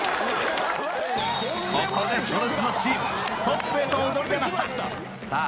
ここでそれスノチームトップへと躍り出ましたさあ